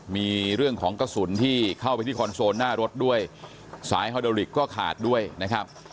มีเรื่องของกระสุนที่เข้าไปที่คอนโซลหน้ารถด้วยสายฮอเดอร์ลิกก็ขาดด้วยนะครับ